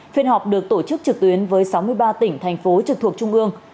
phiên họp được tổ chức trực tuyến với sáu mươi ba tỉnh thành phố trực thuộc trung ương